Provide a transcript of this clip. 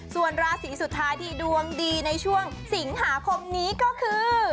ส่วนราศีสุดท้ายที่ดวงดีในช่วงสิงหาคมนี้ก็คือ